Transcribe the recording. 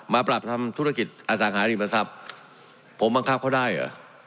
มาปรับทำธุรกิจอสังหาริมทรัพย์ผมบังคับเขาได้เหรอ